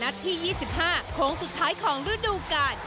นัดที่๒๕โครงสุดท้ายของราดูการ